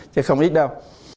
chứ không ít đâu